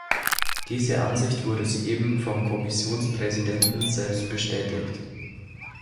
Diese Ansicht wurde soeben vom Kommissionspräsidenten selbst bestätigt.